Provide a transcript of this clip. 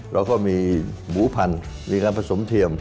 เราก็มีหมูพันธุ์มีการผสมเทียม